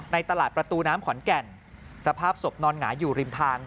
ตลาดประตูน้ำขอนแก่นสภาพศพนอนหงายอยู่ริมทาง